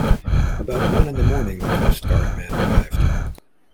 About one in the morning the coastguard man arrived.